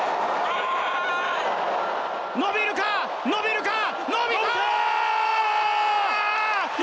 伸びるか、伸びるか、伸びたー！